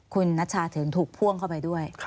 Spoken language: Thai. คุณนัชชาถึงถูกพ่วงเข้าไปด้วย